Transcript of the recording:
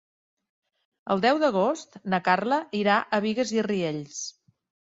El deu d'agost na Carla irà a Bigues i Riells.